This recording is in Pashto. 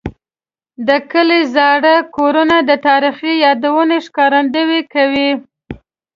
د کلي زاړه کورونه د تاریخي یادونو ښکارندوي کوي.